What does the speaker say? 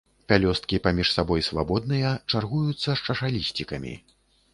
Пялёсткі паміж сабой свабодныя, чаргуюцца з чашалісцікамі.